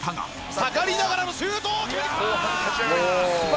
下がりながらもシュート！